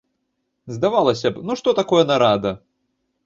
Здавалася б, ну што такое нарада?